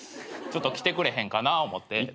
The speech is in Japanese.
ちょっと来てくれへんかな思って。